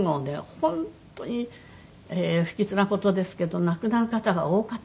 本当に不吉な事ですけど亡くなる方が多かったの。